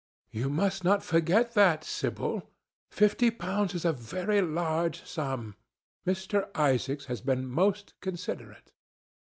You must not forget that, Sibyl. Fifty pounds is a very large sum. Mr. Isaacs has been most considerate."